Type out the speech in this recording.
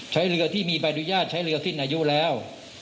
ใช้เรือที่มีใบอนุญาตใช้เรือสิ้นอายุแล้ว